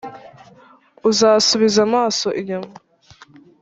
Uzasubiza amaso inyuma